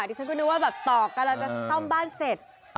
ที่ฉันคงนึกว่าต่อกันแล้วจะซ่อมบ้านเสร็จ